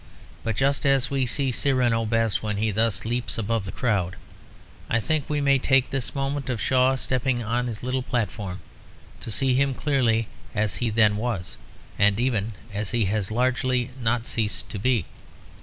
But just as we see Cyrano best when he thus leaps above the crowd, I think we may take this moment of Shaw stepping on his little platform to see him clearly as he then was, and even as he has largely not ceased to be.